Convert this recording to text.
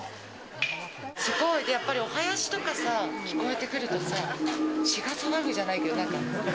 すごいやっぱり、お囃子とかさ、聞こえてくるとさ、血が騒ぐじゃないけど、なんか。